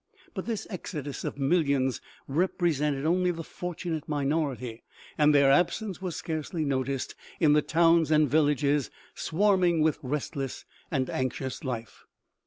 But this exodus of millions represented only the fortunate minority, and their absence was scarcely noticed in the towns and villages, swarming with restless and anxious life.